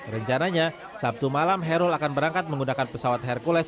rencananya sabtu malam hairul akan berangkat menggunakan pesawat hercules